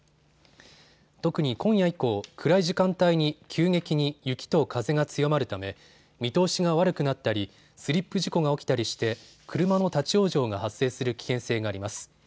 特に今夜以降、暗い時間帯に急激に雪と風が強まるため見通しが悪くなったりスリップ事故が起きたりして車の立往生が発生する危険性があります。